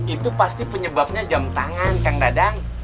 itu pasti penyebabnya jam tangan kang dadang